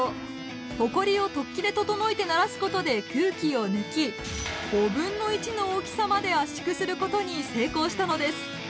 ホコリを突起で整えてならすことで空気を抜き５分の１の大きさまで圧縮することに成功したのです！